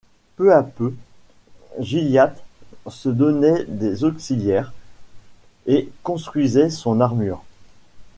Peu à peu Gilliatt se donnait des auxiliaires, et construisait son armure.